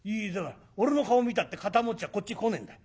俺の顔見たって堅餅はこっち来ねえんだ。